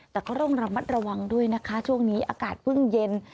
แต่ก็ต้องระมัดระวังด้วยนะคะช่วงนี้อากาศเพิ่งเย็น